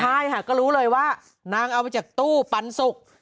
ใช่ค่ะก็รู้เลยว่านางเอาไปจากตู้ปันสุก